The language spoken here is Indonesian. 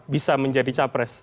bisa menjadi capres